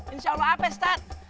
insyaallah apa ustadz